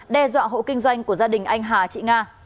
đe dọa hộ kinh doanh của gia đình anh hà chị nga